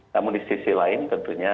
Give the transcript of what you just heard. namun di sisi lain tentunya